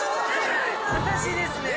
私ですね。